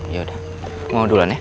ya udah mau duluan ya